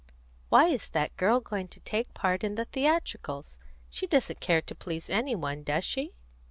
"Why is that girl going to take part in the theatricals? She doesn't care to please any one, does she?"